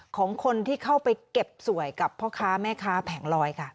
ของคนที่เข้าไปเก็บสวยกับพ่อค้าแม่ค้าแผงลอยค่ะ